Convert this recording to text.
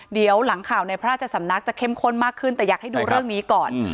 เดี๋ยวหลังข่าวในพระราชสำนักจะเข้มข้นมากขึ้นแต่อยากให้ดูเรื่องนี้ก่อน